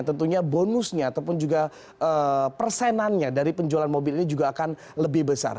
tentunya bonusnya ataupun juga persenannya dari penjualan mobil ini juga akan lebih besar